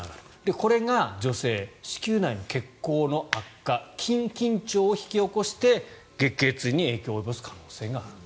これが女性、子宮内の血行の悪化筋緊張を引き起こして月経痛に影響を及ぼす可能性があると。